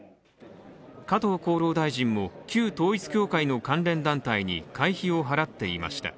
加藤厚労大臣も、旧統一教会の関連団体に会費を払っていました。